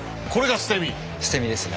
捨身ですね。